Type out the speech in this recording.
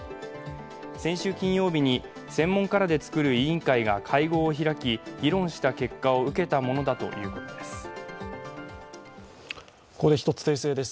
先週金曜日に専門家らで作る委員会が会合を開き、議論した結果を受けたものたということです。